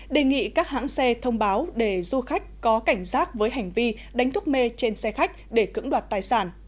đề nghị các hãng xe thông báo để du khách có cảnh giác với hành vi đánh thuốc mê trên xe khách để cứng đoạt tài sản